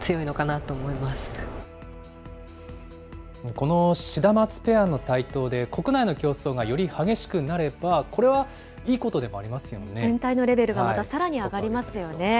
このシダマツペアの台頭で、国内の競争がより激しくなれば、全体のレベルがまたさらに上がりますよね。